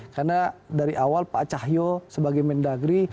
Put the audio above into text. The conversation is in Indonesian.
karena dari awal pak cahyo sebagai mendagri